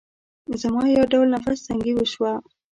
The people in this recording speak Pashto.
زما يو ډول نفس تنګي وشوه.